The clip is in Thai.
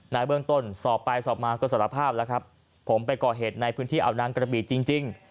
เบื้องต้นสอบไปสอบมาก็สารภาพแล้วครับผมไปก่อเหตุในพื้นที่เอานางกระบีจริง